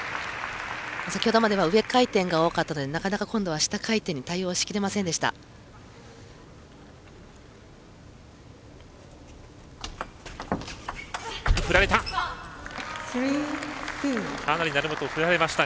先ほどまでは上回転が多かったのでなかなか今度は下回転に対応しきれませんでした。